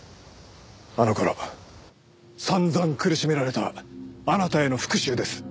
あの頃散々苦しめられたあなたへの復讐です。